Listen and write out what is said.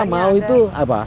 mereka mau itu apa